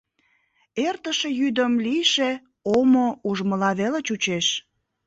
Эртыше йӱдым лийше — омо ужмыла веле чучеш.